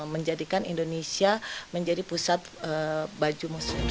menjadikan indonesia menjadi pusat baju muslim